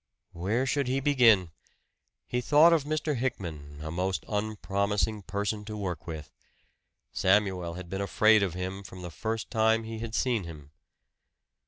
Where should he begin? He thought of Mr. Hickman a most unpromising person to work with. Samuel had been afraid of him from the first time he had seen him.